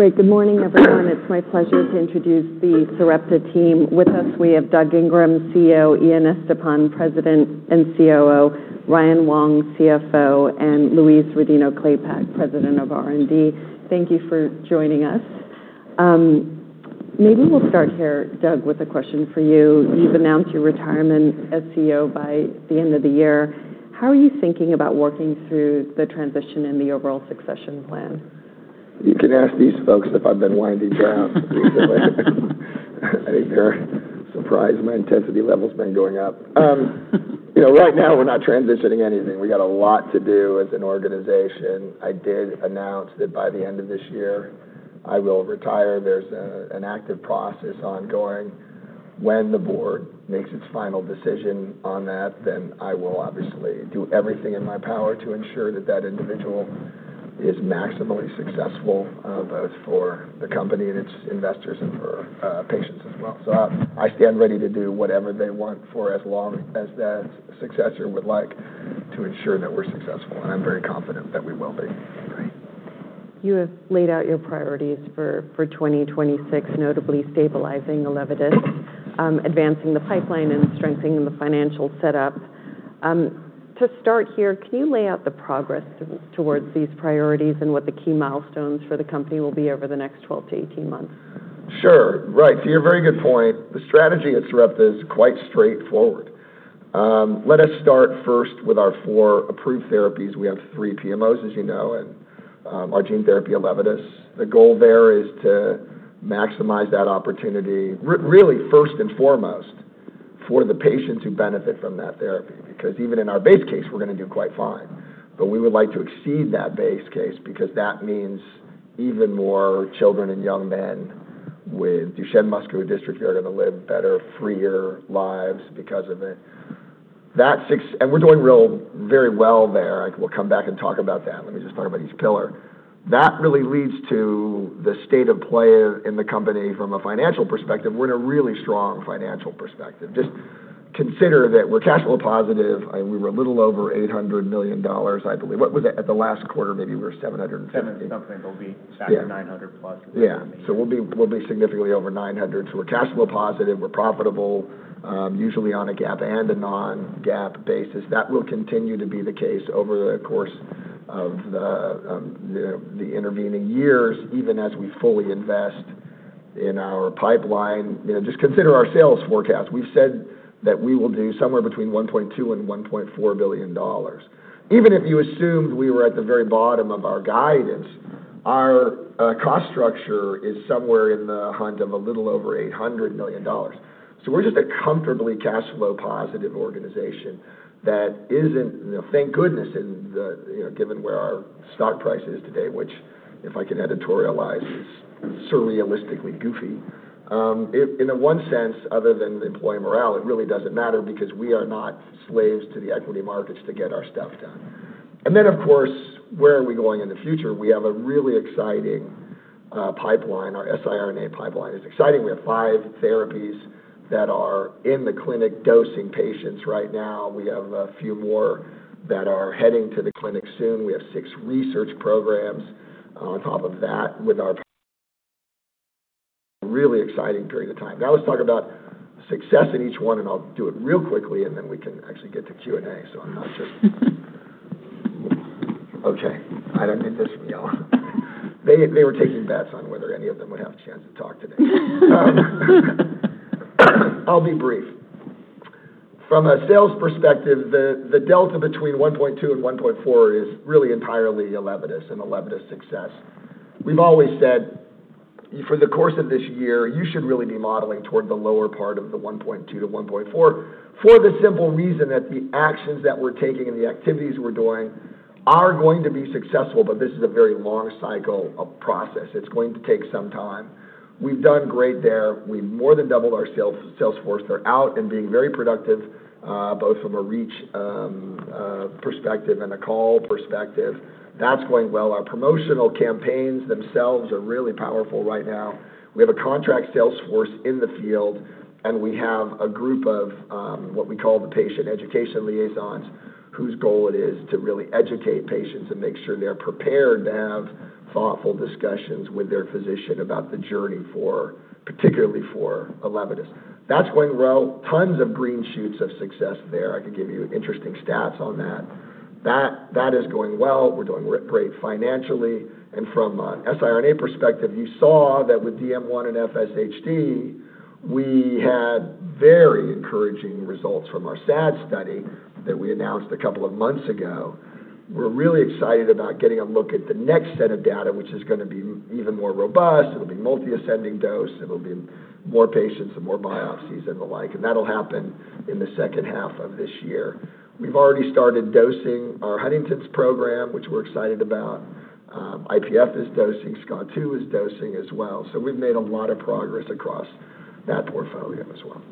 Great. Good morning, everyone. It's my pleasure to introduce the Sarepta team. With us, we have Doug Ingram, CEO; Ian Estepan, President and COO; Ryan Wong, CFO; and Louise Rodino-Klapac, President of R&D. Thank you for joining us. Maybe we'll start here, Doug, with a question for you. You've announced your retirement as CEO by the end of the year. How are you thinking about working through the transition and the overall succession plan? You can ask these folks if I've been winding down recently. I think they're surprised my intensity level's been going up. Right now, we're not transitioning anything. We got a lot to do as an organization. I did announce that by the end of this year, I will retire. There's an active process ongoing. When the Board makes its final decision on that, then I will obviously do everything in my power to ensure that that individual is maximally successful, both for the company and its investors, and for patients as well. I stand ready to do whatever they want for as long as that successor would like to ensure that we're successful, and I'm very confident that we will be. Great. You have laid out your priorities for 2026, notably stabilizing ELEVIDYS, advancing the pipeline, and strengthening the financial setup. To start here, can you lay out the progress towards these priorities and what the key milestones for the company will be over the next 12-18 months? Sure. Right. To your very good point, the strategy at Sarepta is quite straightforward. Let us start first with our four approved therapies. We have three PMOs, as you know, and our gene therapy, ELEVIDYS. The goal there is to maximize that opportunity, really first and foremost, for the patients who benefit from that therapy. Even in our base case, we're going to do quite fine. We would like to exceed that base case because that means even more children and young men with Duchenne muscular dystrophy are going to live better, freer lives because of it. We're doing very well there. We'll come back and talk about that. Let me just talk about each pillar. That really leads to the state of play in the company from a financial perspective. We're in a really strong financial perspective. Just consider that we're cash flow positive. We were a little over $800 million, I believe. What was it at the last quarter? Maybe we were $750 million. Seven something, we'll be back to $900 million+. Yeah. We'll be significantly over $900 million. We're cash flow positive, we're profitable, usually on a GAAP and a non-GAAP basis. That will continue to be the case over the course of the intervening years, even as we fully invest in our pipeline. Just consider our sales forecast. We've said that we will do somewhere between $1.2 billion-$1.4 billion. Even if you assumed we were at the very bottom of our guidance, our cost structure is somewhere in the hunt of a little over $800 million. We're just a comfortably cash flow positive organization that isn't, thank goodness, given where our stock price is today, which if I can editorialize, is surrealistically goofy. In one sense, other than employee morale, it really doesn't matter because we are not slaves to the equity markets to get our stuff done. Of course, where are we going in the future? We have a really exciting pipeline. Our siRNA pipeline is exciting. We have five therapies that are in the clinic dosing patients right now. We have a few more that are heading to the clinic soon. We have six research programs on top of that with our really exciting during the time. Now let's talk about success in each one, and I'll do it real quickly, and then we can actually get to Q&A, so I'm not just- Okay. I don't need this from y'all. They were taking bets on whether any of them would have a chance to talk today. I'll be brief. From a sales perspective, the delta between $1.2 billion and $1.4 billion is really entirely ELEVIDYS and ELEVIDYS success. We've always said, for the course of this year, you should really be modeling toward the lower part of the $1.2 billion-$1.4 billion for the simple reason that the actions that we're taking and the activities we're doing are going to be successful, but this is a very long cycle of process. It's going to take some time. We've done great there. We've more than doubled our sales force. They're out and being very productive, both from a reach perspective and a call perspective. That's going well. Our promotional campaigns themselves are really powerful right now. We have a contract sales force in the field, and we have a group of what we call the patient education liaisons, whose goal it is to really educate patients and make sure they're prepared to have thoughtful discussions with their physician about the journey, particularly for ELEVIDYS. That's going well. Tons of green shoots of success there. I could give you interesting stats on that. That is going well. We're doing great financially. From an siRNA perspective, you saw that with DM1 and FSHD, we had very encouraging results from our SAD study that we announced a couple of months ago. We're really excited about getting a look at the next set of data, which is going to be even more robust. It'll be multi-ascending dose. It'll be more patients and more biopsies and the like, and that'll happen in the second half of this year. We've already started dosing our Huntington's program, which we're excited about. IPF is dosing. SCO2 is dosing as well. We've made a lot of progress across that portfolio as well.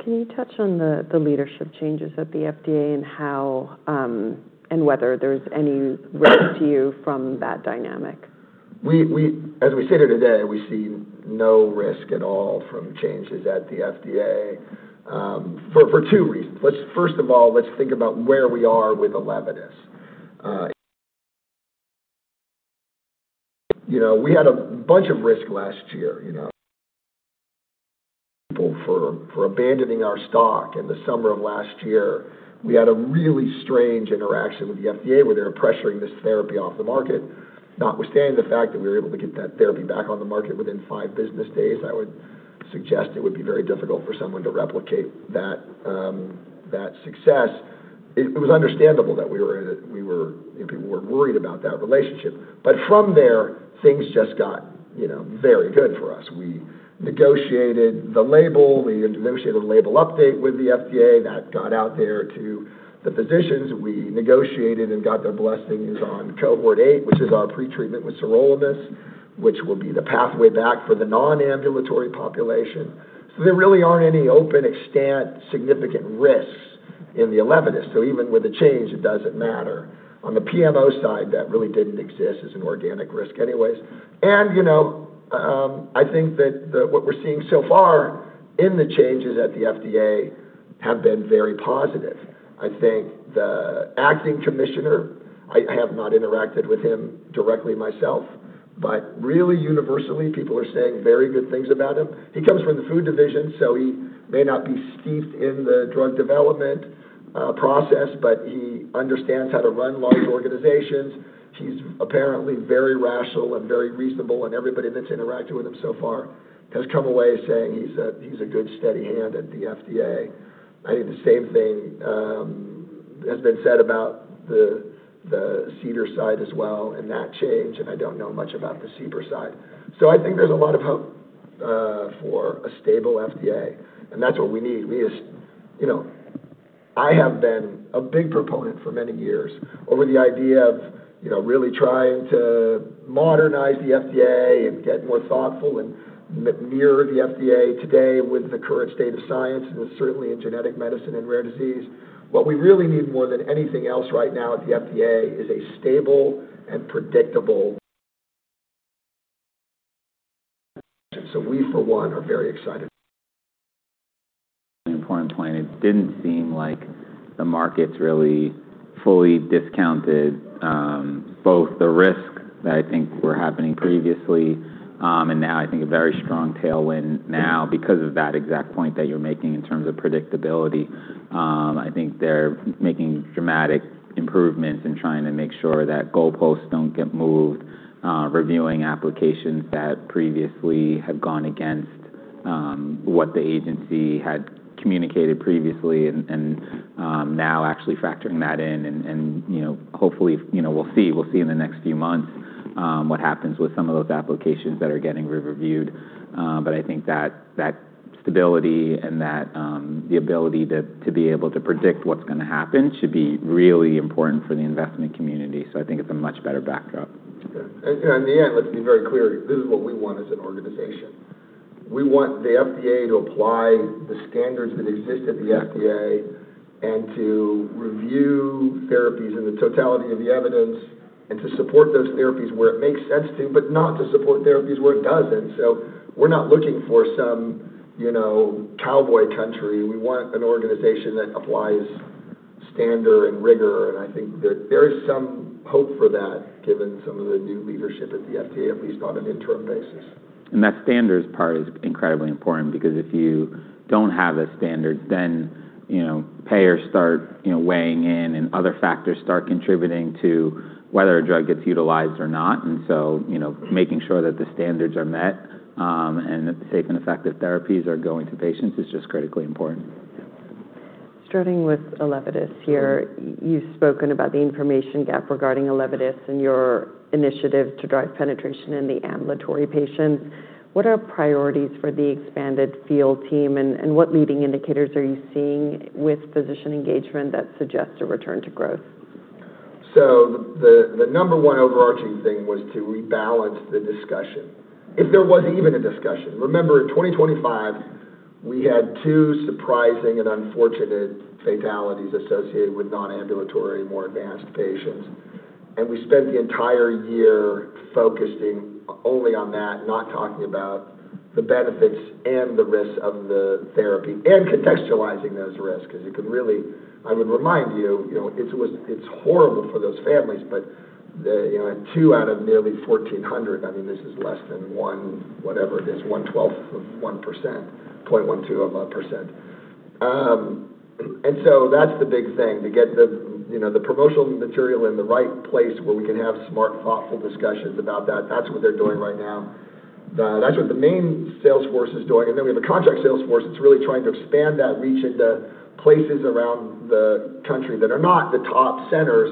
Can you touch on the leadership changes at the FDA and whether there's any risk to you from that dynamic? As we sit here today, we see no risk at all from changes at the FDA. For two reasons. First of all, let's think about where we are with ELEVIDYS. We had a bunch of risk last year. People for abandoning our stock in the summer of last year. We had a really strange interaction with the FDA where they were pressuring this therapy off the market, notwithstanding the fact that we were able to get that therapy back on the market within five business days. I would suggest it would be very difficult for someone to replicate that success. It was understandable that people were worried about that relationship. From there, things just got very good for us. We negotiated the label, we negotiated a label update with the FDA that got out there to the physicians. We negotiated and got their blessings on Cohort 8, which is our pretreatment with sirolimus, which will be the pathway back for the non-ambulatory population. There really aren't any open extent significant risks in the ELEVIDYS. Even with the change, it doesn't matter. On the PMO side, that really didn't exist as an organic risk anyways. I think that what we're seeing so far in the changes at the FDA have been very positive. I think the acting commissioner, I have not interacted with him directly myself, but really universally, people are saying very good things about him. He comes from the food division, so he may not be steeped in the drug development process, but he understands how to run large organizations. He's apparently very rational and very reasonable, and everybody that's interacted with him so far has come away saying he's a good, steady hand at the FDA. I think the same thing has been said about the CDER side as well and that change, and I don't know much about the CBER side. I think there's a lot of hope for a stable FDA, and that's what we need. I have been a big proponent for many years over the idea of really trying to modernize the FDA and get more thoughtful and mirror the FDA today with the current state of science, and certainly in genetic medicine and rare disease. What we really need more than anything else right now at the FDA is a stable and predictable regulation. We, for one, are very excited. An important point. It didn't seem like the markets really fully discounted both the risks that I think were happening previously, and now I think a very strong tailwind now because of that exact point that you're making in terms of predictability. I think they're making dramatic improvements in trying to make sure that goalposts don't get moved, reviewing applications that previously had gone against what the agency had communicated previously, and now actually factoring that in and hopefully, we'll see in the next few months what happens with some of those applications that are getting re-reviewed. I think that stability and the ability to be able to predict what's going to happen should be really important for the investment community. I think it's a much better backdrop. Okay. In the end, let's be very clear, this is what we want as an organization. We want the FDA to apply the standards that exist at the FDA and to review therapies and the totality of the evidence, and to support those therapies where it makes sense to, but not to support therapies where it doesn't. We're not looking for some cowboy country. We want an organization that applies standard and rigor, and I think that there is some hope for that, given some of the new leadership at the FDA, at least on an interim basis. That standards part is incredibly important, because if you don't have a standard, then payers start weighing in and other factors start contributing to whether a drug gets utilized or not. Making sure that the standards are met, and that the safe and effective therapies are going to patients is just critically important. Yeah. Starting with ELEVIDYS here, you've spoken about the information gap regarding ELEVIDYS and your initiative to drive penetration in the ambulatory patients. What are priorities for the expanded field team, and what leading indicators are you seeing with physician engagement that suggests a return to growth? The number one overarching thing was to rebalance the discussion, if there was even a discussion. Remember, in 2025, we had two surprising and unfortunate fatalities associated with non-ambulatory, more advanced patients. We spent the entire year focusing only on that, not talking about the benefits and the risks of the therapy and contextualizing those risks, because you can really I would remind you, it's horrible for those families, but two out of nearly 1,400, I mean, this is less than 0.12%. That's the big thing, to get the promotional material in the right place where we can have smart, thoughtful discussions about that. That's what they're doing right now. That's what the main sales force is doing. We have a contract sales force that's really trying to expand that reach into places around the country that are not the top centers,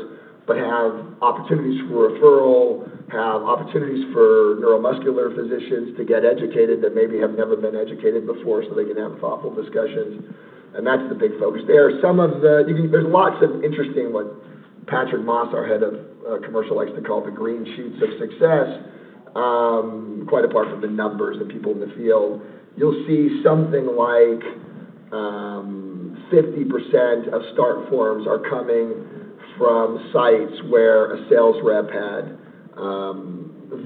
but have opportunities for referral, have opportunities for neuromuscular physicians to get educated that maybe have never been educated before so they can have thoughtful discussions, and that's the big focus. There's lots of interesting, what Patrick Moss, our Head of Commercial, likes to call the green shoots of success, quite apart from the numbers of people in the field. You'll see something like 50% of start forms are coming from sites where a sales rep had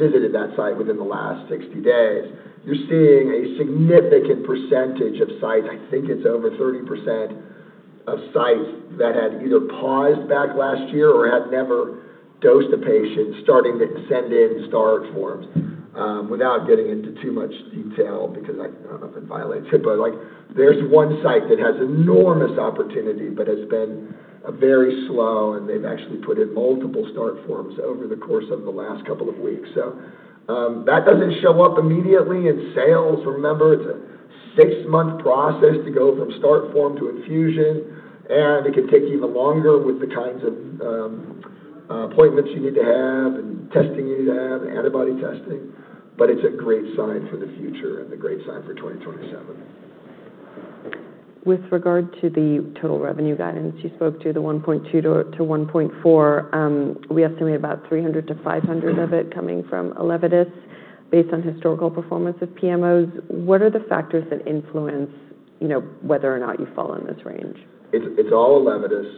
visited that site within the last 60 days. You're seeing a significant percentage of sites, I think it's over 30%. A site that had either paused back last year or had never dosed a patient starting to send in start forms. Without getting into too much detail, because I don't know if it violates HIPAA, there's one site that has enormous opportunity but has been very slow, and they've actually put in multiple start forms over the course of the last couple of weeks. That doesn't show up immediately in sales. Remember, it's a six-month process to go from start form to infusion, and it can take even longer with the kinds of appointments you need to have and testing you need to have, antibody testing. It's a great sign for the future and a great sign for 2027. With regard to the total revenue guidance, you spoke to the $1.2 billion-$1.4 billion. We estimate about $300 million-$500 million of it coming from ELEVIDYS based on historical performance of PMOs. What are the factors that influence whether or not you fall in this range? It's all ELEVIDYS,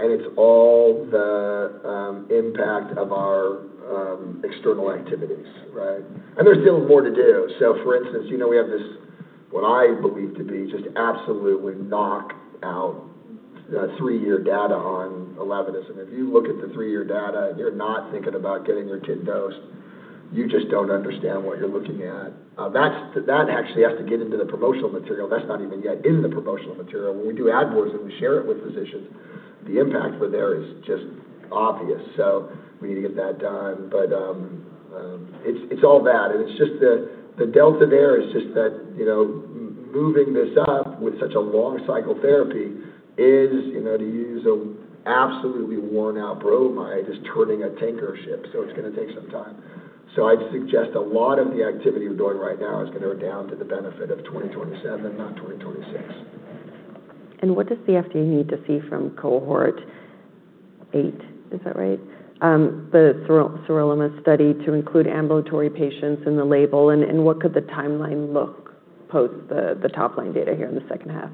and it's all the impact of our external activities, right? There's still more to do. For instance, we have this, what I believe to be just absolutely knock-out three-year data on ELEVIDYS, and if you look at the three-year data and you're not thinking about getting your kid dosed, you just don't understand what you're looking at. That actually has to get into the promotional material. That's not even yet in the promotional material. When we do adverts and we share it with physicians, the impact for there is just obvious. We need to get that done. It's all that, and it's just the delta there is just that moving this up with such a long cycle therapy is, to use an absolutely worn-out bromide, is turning a tanker ship, so it's going to take some time. I'd suggest a lot of the activity we're doing right now is going to redound to the benefit of 2027, not 2026. What does the FDA need to see from Cohort 8, is that right? The sirolimus study to include ambulatory patients in the label, what could the timeline look post the top-line data here in the second half?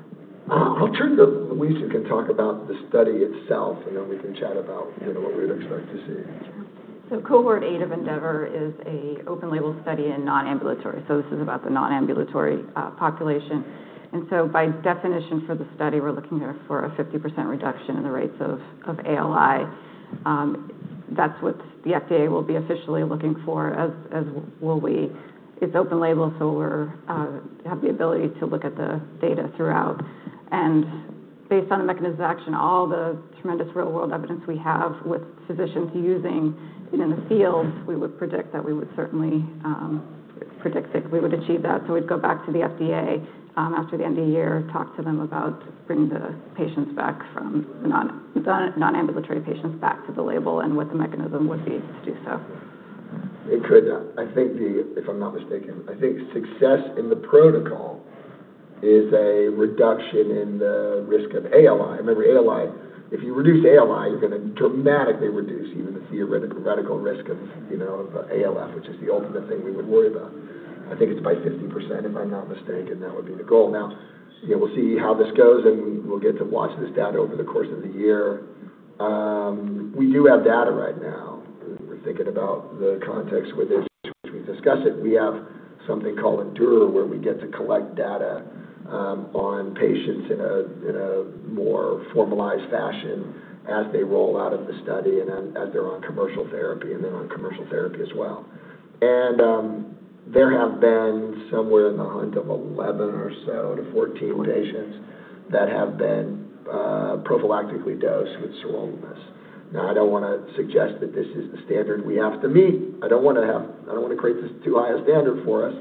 I'll turn to Louise, who can talk about the study itself, then we can chat about what we'd expect to see. Cohort 8 of ENDEAVOR is an open-label study in non-ambulatory. This is about the non-ambulatory population. By definition for the study, we're looking for a 50% reduction in the rates of ALI. That's what the FDA will be officially looking for, as will we. It's open label, we have the ability to look at the data throughout. Based on the mechanism of action, all the tremendous real-world evidence we have with physicians using it in the field, we would predict that we would certainly achieve that. We'd go back to the FDA after the end of the year, talk to them about bringing the non-ambulatory patients back to the label, and what the mechanism would be to do so. It could. If I'm not mistaken, I think success in the protocol is a reduction in the risk of ALI. Remember ALI, if you reduce ALI, you're going to dramatically reduce even the theoretical risk of ALF, which is the ultimate thing we would worry about. I think it's by 50%, if I'm not mistaken. That would be the goal. We'll see how this goes, we'll get to watch this data over the course of the year. We do have data right now. We're thinking about the context within which we discuss it. We have something called ENDURE, where we get to collect data on patients in a more formalized fashion as they roll out of the study and as they're on commercial therapy, then on commercial therapy as well. There have been somewhere in the hunt of 11 or so to 14 patients that have been prophylactically dosed with sirolimus. I don't want to suggest that this is the standard we have to meet. I don't want to create too high a standard for us.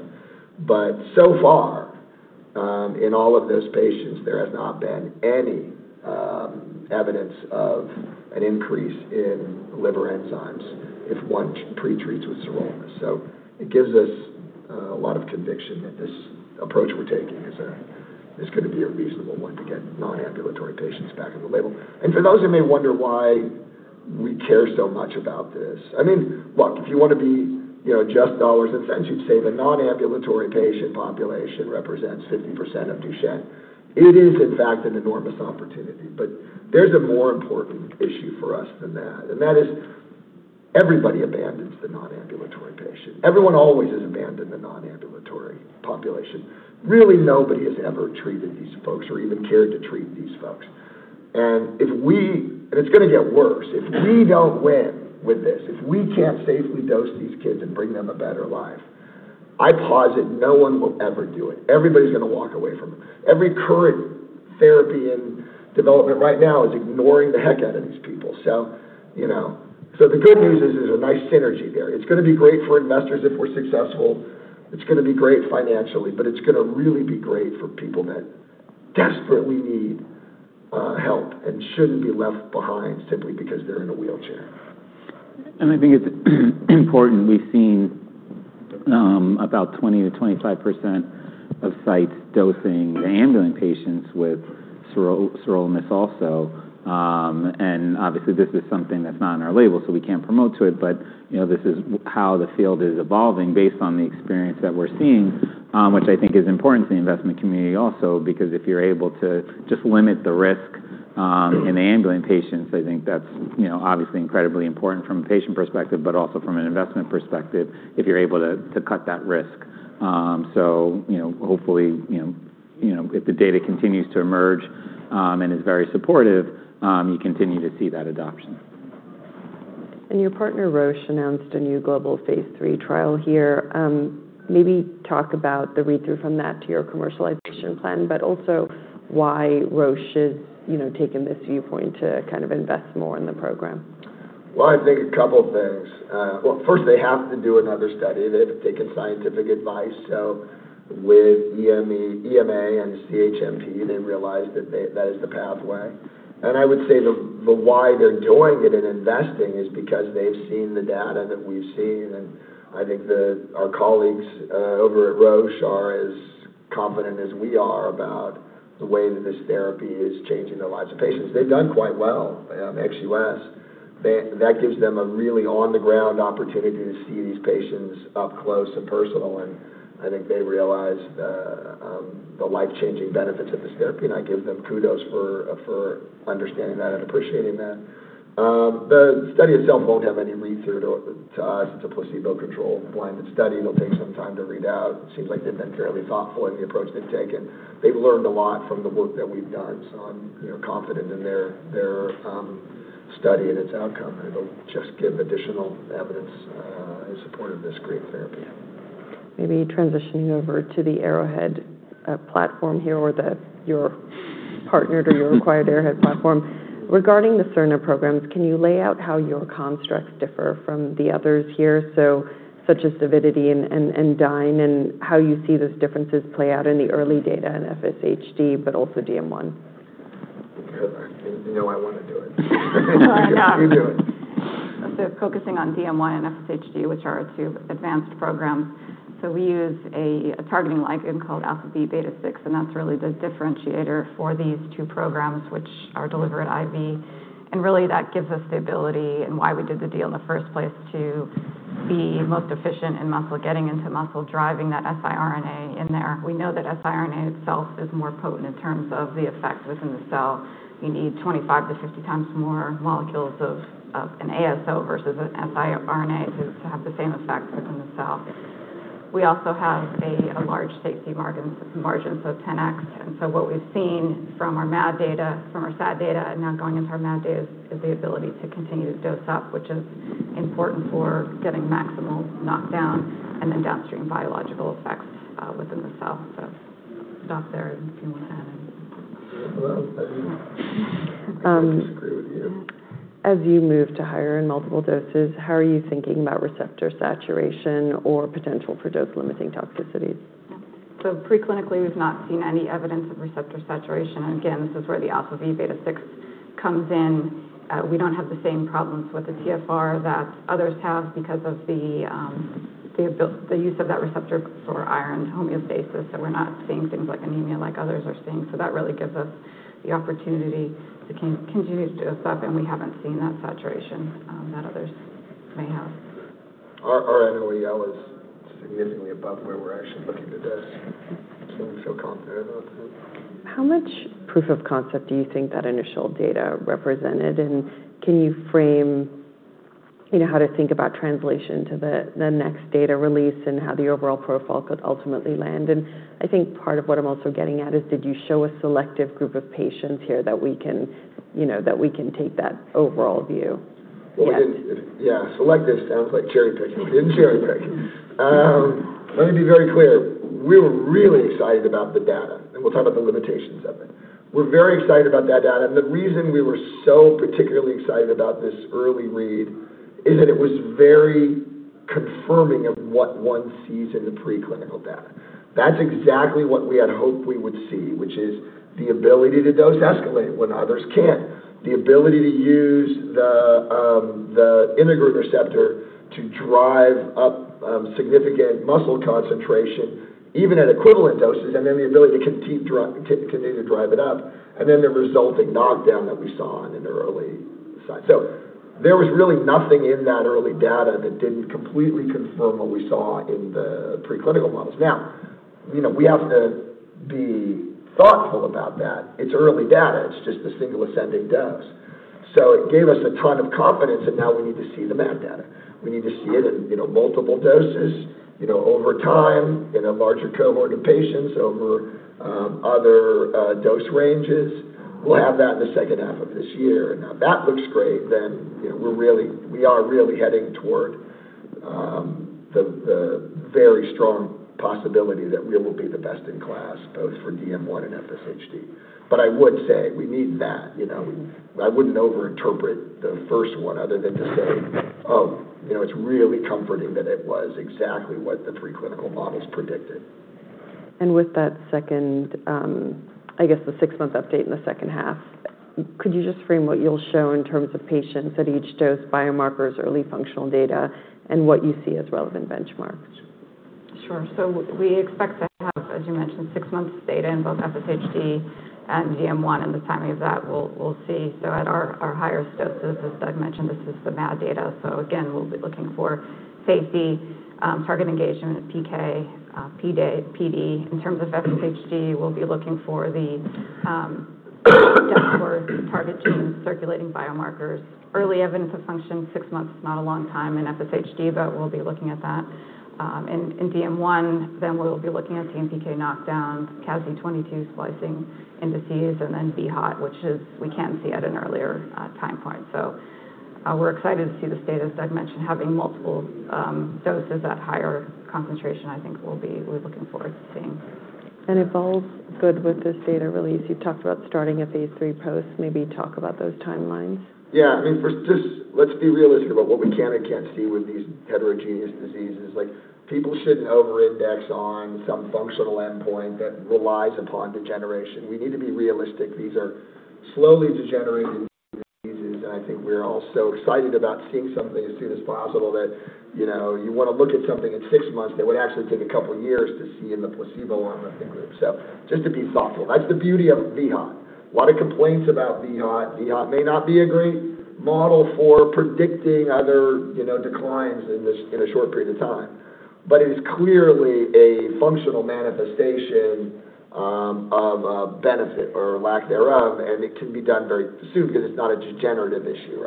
So far, in all of those patients, there has not been any evidence of an increase in liver enzymes if one pretreats with sirolimus. It gives us a lot of conviction that this approach we're taking is going to be a reasonable one to get non-ambulatory patients back on the label. For those who may wonder why we care so much about this, look, if you want to be just dollars and cents, you'd say the non-ambulatory patient population represents 50% of Duchenne. It is, in fact, an enormous opportunity. There's a more important issue for us than that, and that is everybody abandons the non-ambulatory patient. Everyone always has abandoned the non-ambulatory population. Really, nobody has ever treated these folks or even cared to treat these folks. It's going to get worse. If we don't win with this, if we can't safely dose these kids and bring them a better life, I posit no one will ever do it. Everybody's going to walk away from it. Every current therapy in development right now is ignoring the heck out of these people. The good news is there's a nice synergy there. It's going to be great for investors if we're successful. It's going to be great financially, but it's going to really be great for people that desperately need help and shouldn't be left behind simply because they're in a wheelchair. I think it's important, we've seen about 20%-25% of sites dosing the ambulant patients with sirolimus also. Obviously, this is something that's not in our label, so we can't promote to it. This is how the field is evolving based on the experience that we're seeing, which I think is important to the investment community also, because if you're able to just limit the risk. In the ambulant patients, I think that's obviously incredibly important from a patient perspective, but also from an investment perspective, if you're able to cut that risk. Hopefully, if the data continues to emerge and is very supportive, you continue to see that adoption. Your partner, Roche, announced a new global phase III trial here. Maybe talk about the read-through from that to your commercialization plan, but also why Roche has taken this viewpoint to invest more in the program. Well, I think a couple things. Well, first, they have to do another study. They've taken scientific advice. With EMA and CHMP, they realized that is the pathway. I would say the why they're doing it and investing is because they've seen the data that we've seen, and I think that our colleagues over at Roche are as confident as we are about the way that this therapy is changing the lives of patients. They've done quite well in ex-US. That gives them a really on-the-ground opportunity to see these patients up close and personal, and I think they realize the life-changing benefits of this therapy, and I give them kudos for understanding that and appreciating that. The study itself won't have any read-through to us. It's a placebo-controlled blinded study. It'll take some time to read out. It seems like they've been fairly thoughtful in the approach they've taken. They've learned a lot from the work that we've done, so I'm confident in their study and its outcome, and it'll just give additional evidence in support of this great therapy. Maybe transitioning over to the Arrowhead platform here, or your partnered or your acquired Arrowhead platform. Regarding the siRNA programs, can you lay out how your constructs differ from the others here, such as Avidity and Dyne, and how you see those differences play out in the early data in FSHD, but also DM1? Good. I didn't know I want to do it. You do it. Focusing on DM1 and FSHD, which are our two advanced programs. We use a targeting ligand called alpha-v beta-6, and that's really the differentiator for these two programs, which are delivered IV. Really that gives us the ability, and why we did the deal in the first place, to be most efficient in muscle, getting into muscle, driving that siRNA in there. We know that siRNA itself is more potent in terms of the effects within the cell. You need 25x-50x more molecules of an ASO versus an siRNA to have the same effect within the cell. We also have a large safety margin, 10X. What we've seen from our SAD data, and now going into our MAD data, is the ability to continue to dose up, which is important for getting maximal knockdown and then downstream biological effects within the cell. I'll stop there. You can add anything. Well, I would agree with you. As you move to higher and multiple doses, how are you thinking about receptor saturation or potential for dose-limiting toxicities? Pre-clinically, we've not seen any evidence of receptor saturation. Again, this is where the alpha-v beta-6 comes in. We don't have the same problems with the TFR that others have because of the use of that receptor for iron homeostasis, we're not seeing things like anemia, like others are seeing. That really gives us the opportunity to continue to dose up, and we haven't seen that saturation that others may have. Our NOEL is significantly above where we're actually looking to dose, I'm feel confident about it. How much proof of concept do you think that initial data represented? Can you frame how to think about translation to the next data release and how the overall profile could ultimately land? I think part of what I'm also getting at is did you show a selective group of patients here that we can take that overall view yet? Yeah. Selective sounds like cherry-picking. We didn't cherry-pick. Let me be very clear. We're really excited about the data, and we'll talk about the limitations of it. We're very excited about that data, and the reason we were so particularly excited about this early read is that it was very confirming of what one sees in the preclinical data. That's exactly what we had hoped we would see, which is the ability to dose escalate when others can't, the ability to use the integrin receptor to drive up significant muscle concentration, even at equivalent doses, and then the ability to continue to drive it up, and then the resulting knockdown that we saw in the early signs. There was really nothing in that early data that didn't completely confirm what we saw in the preclinical models. We have to be thoughtful about that. It's early data. It's just a single ascending dose. It gave us a ton of confidence, and now we need to see the MAD data. We need to see it in multiple doses, over time, in a larger cohort of patients over other dose ranges. We'll have that in the second half of this year. If that looks great, we are really heading toward the very strong possibility that we will be the best-in-class, both for DM1 and FSHD. I would say we need that. I wouldn't over-interpret the first one other than to say, oh, it's really comforting that it was exactly what the three clinical models predicted. With that second, I guess the six-month update in the second half, could you just frame what you'll show in terms of patients at each dose, biomarkers, early functional data, and what you see as relevant benchmarks? Sure. We expect to have, as you mentioned, six months of data in both FSHD and DM1, and the timing of that, we'll see. At our higher doses, as Doug mentioned, this is the MAD data. Again, we'll be looking for safety, target engagement, PK, PD. In terms of FSHD, we're targeting circulating biomarkers. Early evidence of function, six months is not a long time in FSHD, but we'll be looking at that. In DM1, we'll be looking at DMPK knockdowns, CASQ2 splicing indices, vHOT, which we can see at an earlier time point. We're excited to see this data. As Doug mentioned, having multiple doses at higher concentration, I think we're looking forward to seeing. EVOLVE, good with this data release. You've talked about starting a phase III post, maybe talk about those timelines. Let's be realistic about what we can and can't see with these heterogeneous diseases. People shouldn't over-index on some functional endpoint that relies upon degeneration. We need to be realistic. These are slowly degenerating diseases, and I think we're all so excited about seeing something as soon as possible that you want to look at something at six months that would actually take a couple years to see in the placebo arm, I think. Just to be thoughtful. That's the beauty of vHOT. A lot of complaints about vHOT. vHOT may not be a great model for predicting other declines in a short period of time. It is clearly a functional manifestation of a benefit or lack thereof, and it can be done very soon because it's not a degenerative issue.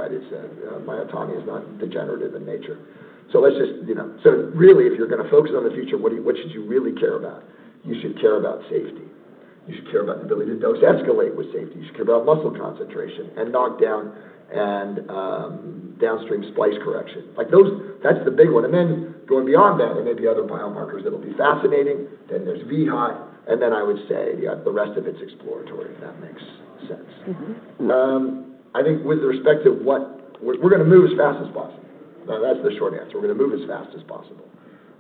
Myotonia is not degenerative in nature. Really, if you're going to focus on the future, what should you really care about? You should care about safety. You should care about the ability to dose escalate with safety. You should care about muscle concentration and knockdown and downstream splice correction. That's the big one. Then going beyond that are maybe other biomarkers that'll be fascinating. Then there's vHOT, and then I would say the rest of it's exploratory, if that makes sense. I think with respect to We're going to move as fast as possible. That's the short answer. We're going to move as fast as possible.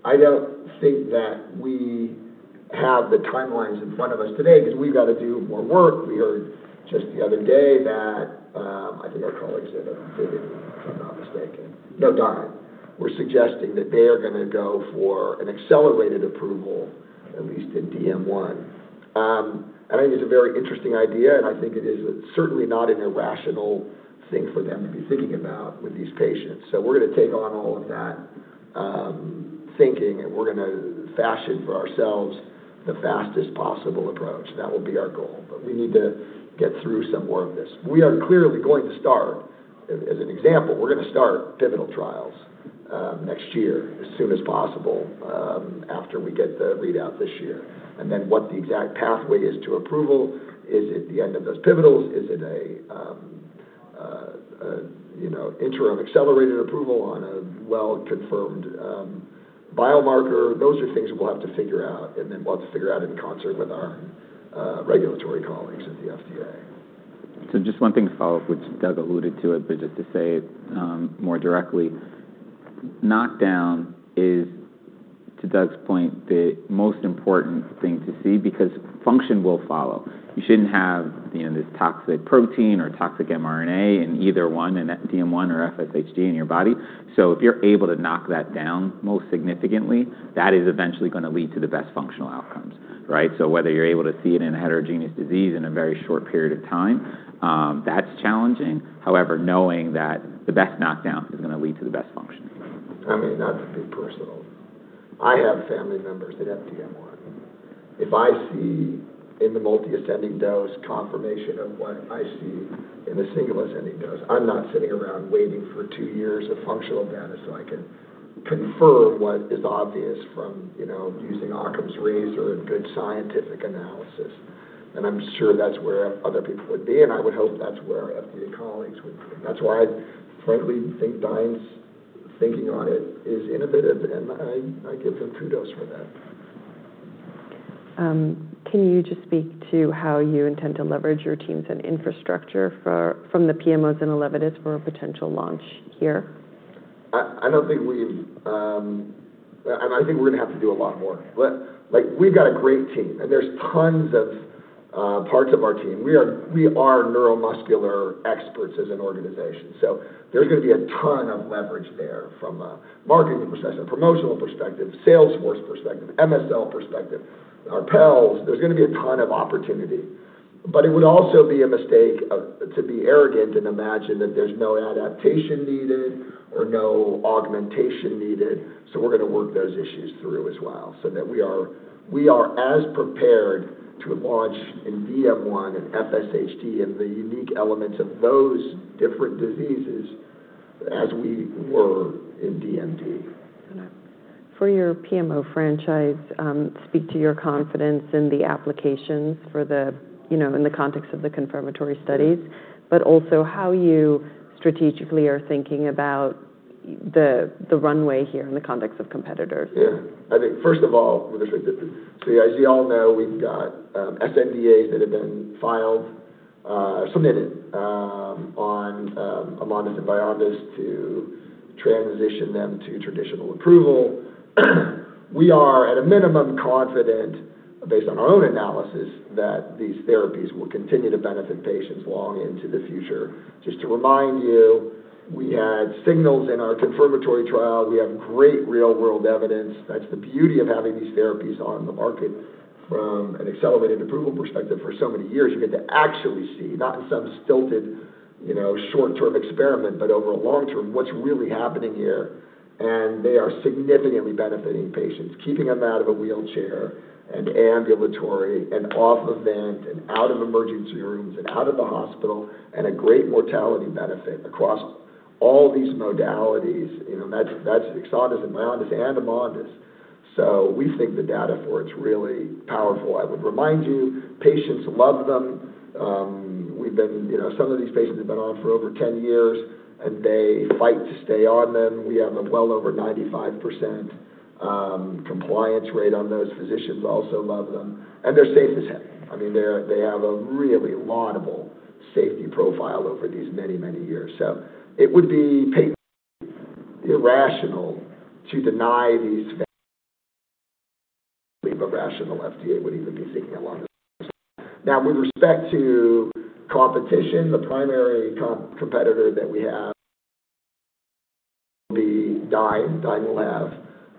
I don't think that we have the timelines in front of us today because we've got to do more work. We heard just the other day that, I think our colleagues said it, if I'm not mistaken. No, Dyne were suggesting that they are going to go for an accelerated approval, at least in DM1. I think it's a very interesting idea, and I think it is certainly not an irrational thing for them to be thinking about with these patients. We're going to take on all of that thinking, and we're going to fashion for ourselves the fastest possible approach. That will be our goal. We need to get through some more of this. We are clearly going to start, as an example, we're going to start pivotal trials next year as soon as possible after we get the readout this year. What the exact pathway is to approval, is it the end of those pivotals? Is it an interim accelerated approval on a well-confirmed biomarker? Those are things we'll have to figure out, and then we'll have to figure out in concert with our regulatory colleagues at the FDA. Just one thing to follow up, which Doug alluded to it, but just to say it more directly. Knockdown is, to Doug's point, the most important thing to see because function will follow. You shouldn't have this toxic protein or toxic mRNA in either one, in DM1 or FSHD in your body. If you're able to knock that down most significantly, that is eventually going to lead to the best functional outcomes. Whether you're able to see it in a heterogeneous disease in a very short period of time, that's challenging. However, knowing that the best knockdown is going to lead to the best function. Not to be personal, I have family members that have DM1. If I see in the multi-ascending dose confirmation of what I see in the singular ascending dose, I'm not sitting around waiting for two years of functional data so I can confirm what is obvious from using Occam's razor and good scientific analysis. I'm sure that's where other people would be, and I would hope that's where our FDA colleagues would be. That's why I frankly think Dyne's thinking on it is innovative, and I give them kudos for that. Can you just speak to how you intend to leverage your teams and infrastructure from the PMOs in ELEVIDYS for a potential launch here? We're going to have to do a lot more. We've got a great team. There's tons of parts of our team. We are neuromuscular experts as an organization. There's going to be a ton of leverage there from a marketing perspective, promotional perspective, sales force perspective, MSL perspective, our PELs. There's going to be a ton of opportunity. It would also be a mistake to be arrogant and imagine that there's no adaptation needed or no augmentation needed. We're going to work those issues through as well, so that we are as prepared to launch in DM1 and FSHD and the unique elements of those different diseases as we were in DMD. For your PMO franchise, speak to your confidence in the applications in the context of the confirmatory studies, but also how you strategically are thinking about the runway here in the context of competitors. Yeah. I think first of all. As you all know, we've got sNDAs that have been submitted on AMONDYS and VYONDYS to transition them to traditional approval. We are at a minimum confident, based on our own analysis, that these therapies will continue to benefit patients long into the future. Just to remind you, we had signals in our confirmatory trial. We have great real-world evidence. That's the beauty of having these therapies on the market from an accelerated approval perspective for so many years. You get to actually see, not in some stilted short-term experiment, but over a long term, what's really happening here? They are significantly benefiting patients, keeping them out of a wheelchair and ambulatory and off a vent and out of emergency rooms and out of the hospital, and a great mortality benefit across all these modalities. That's EXONDYS and VYONDYS and AMONDYS. We think the data for it is really powerful. I would remind you, patients love them. Some of these patients have been on for over 10 years, and they fight to stay on them. We have a well over 95% compliance rate on those. Physicians also love them, and they're safe as heck. They have a really laudable safety profile over these many, many years. It would be patently irrational to deny these families, I can't believe a rational FDA would even be thinking along those lines. Now, with respect to competition, the primary competitor that we have will be Dyne. Dyne will have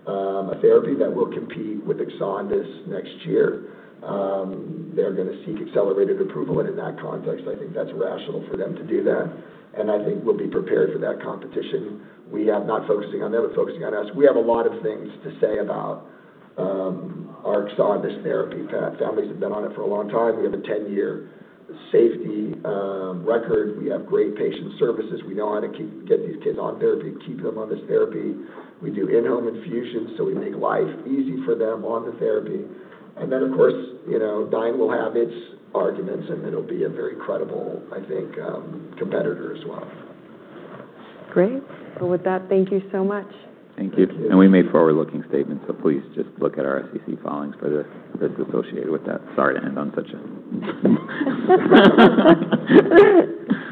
a therapy that will compete with EXONDYS next year. They're going to seek accelerated approval. In that context, I think that's rational for them to do that. I think we'll be prepared for that competition. Not focusing on them and focusing on us, we have a lot of things to say about our EXONDYS therapy. Families have been on it for a long time. We have a 10-year safety record. We have great patient services. We know how to get these kids on therapy, keep them on this therapy. We do in-home infusions, so we make life easy for them on the therapy. Of course, Dyne will have its arguments, and it'll be a very credible, I think, competitor as well. Great. Well, with that, thank you so much. Thank you. We made forward-looking statements, so please just look at our SEC filings for the risks associated with that. Sorry to end on such a..